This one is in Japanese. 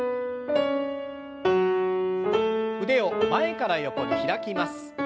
腕を前から横に開きます。